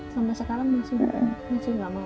sampai sekarang masih nggak mau